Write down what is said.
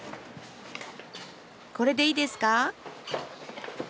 これでいいですか？